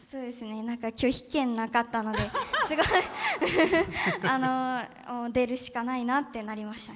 拒否権なかったので、すごい。出るしかないなってなりました。